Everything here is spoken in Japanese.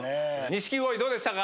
錦鯉どうでしたか？